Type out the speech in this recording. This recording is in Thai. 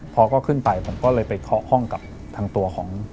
พอก็ขึ้นไปผมก็เลยไปเคาะห้องกับทางตัวของ